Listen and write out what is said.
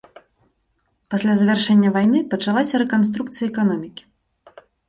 Пасля завяршэння вайны пачалася рэканструкцыя эканомікі.